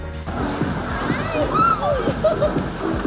sepertinya saya mau mencoba wahana lain saja